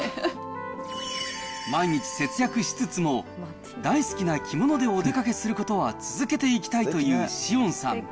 毎日節約しつつも、大好きな着物でお出かけすることは続けていきたいという紫苑さん。